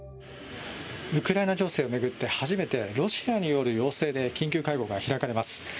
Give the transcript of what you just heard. ウクライナ情勢を巡って初めてロシアによる要請で緊急会合が開かれます。